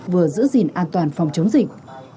vừa giữ gìn an toàn phòng chống dịch